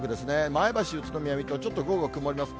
前橋、宇都宮、水戸、ちょっと午後、曇ります。